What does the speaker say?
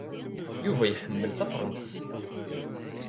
Yuba iḥemmel tafṛansist.